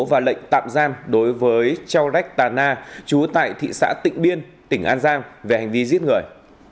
và lệnh tạm giam đối với châu rách tà na chú tại thị xã tịnh biên tỉnh an giang về hành vi giết người